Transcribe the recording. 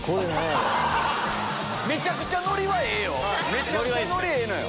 めちゃくちゃノリはええよ。